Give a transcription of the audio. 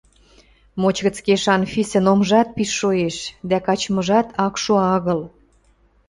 Моч гӹц кешӹ Анфисӹн омжат пиш шоэш дӓ качмыжат ак шо агыл.